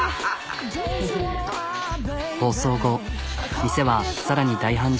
放送後店は更に大繁盛。